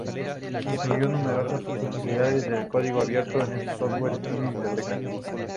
Incluyó numerosas utilidades de código abierto como software y bibliotecas.